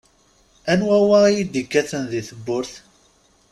Anwa wa i d-ikkaten di tewwurt?